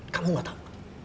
kamu gak tau